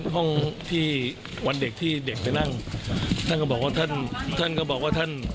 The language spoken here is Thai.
ห้องที่วันเด็กที่เด็กไปนั่งท่านก็บอกว่าท่านท่านก็บอกว่าท่าน